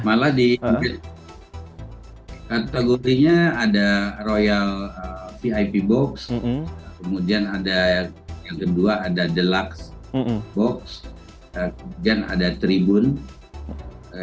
malah di kategorinya ada royal vip box kemudian ada yang kedua ada delux box kemudian ada tribun